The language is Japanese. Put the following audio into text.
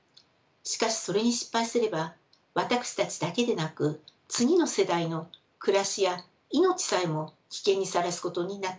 しかしそれに失敗すれば私たちだけでなく次の世代の暮らしや命さえも危険にさらすことになってしまいます。